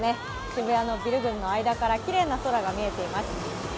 渋谷のビル群の間からきれいな空が見えています。